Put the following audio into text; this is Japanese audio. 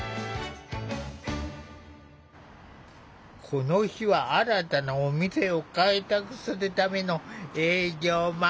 この日は新たなお店を開拓するための営業回り。